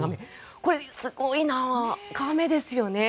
これ、すごい眺めですよね。